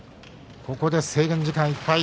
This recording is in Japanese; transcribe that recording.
ここで制限時間いっぱい。